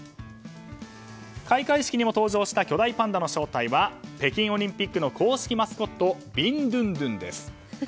開会式にも登場した巨大パンダの正体は北京オリンピック公式マスコットビンドゥンドゥンです。